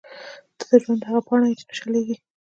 • ته د ژوند هغه پاڼه یې چې نه شلېږي.